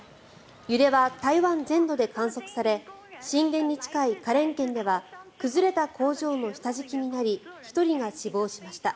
揺れは台湾全土で観測され震源に近い花蓮県では崩れた工場の下敷きになり１人が死亡しました。